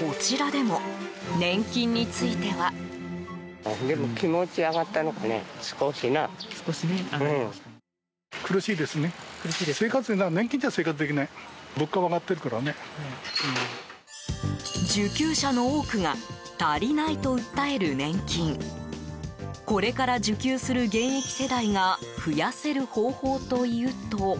こちらでも、年金については。受給者の多くが足りないと訴える年金これから受給する現役世代が増やせる方法というと。